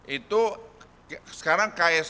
itu sekarang sudah berubah